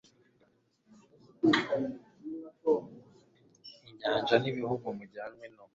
inyanja n ibihugu mujyanywe no